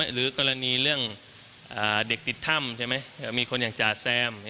หรือกรณีเรื่องเด็กปิดถ้ำใช่ไหมมีคนอย่างจ่าแซม